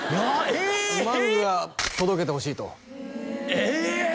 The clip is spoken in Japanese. えっ？マグが届けてほしいとえ！？